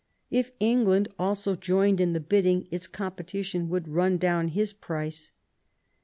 If England also joined in the bidding its competition would run down his price.